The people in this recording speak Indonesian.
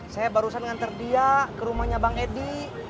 saya barusan ngantar dia ke rumahnya bang edi